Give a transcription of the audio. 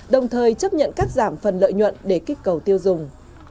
đồng thời chấp nhận cắt giảm phần lợi nhuận để kích cầu tiêu dùng